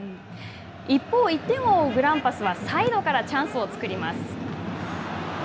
一方、１点を追うグランパスは、サイドからチャンスを作ります。